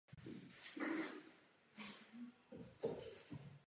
Ten se vždy řídí platnými právními předpisy.